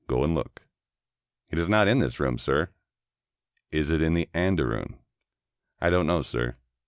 Go and look." "It is not in this room, sir." "Is it in the andarun?" "I don't know, sir."